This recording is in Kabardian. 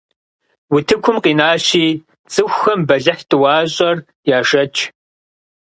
Утыкум къинащи, цӀыхухэм бэлыхь тӀуащӀэр яшэч.